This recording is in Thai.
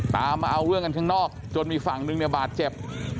ตามมาเอาเรื่องกันข้างนอกจนมีฝั่งนึงเนี่ยบาดเจ็บ